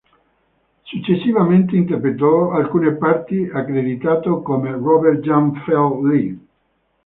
Successivamente interpretò alcune parti, accreditato come "Robert Jan-fai Lee".